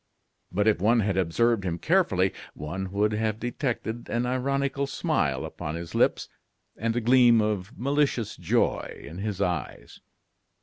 But if one had observed him carefully, one would have detected an ironical smile upon his lips and a gleam of malicious joy in his eyes.